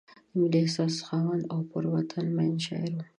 د ملي احساس خاوند او په وطن مین شاعر و.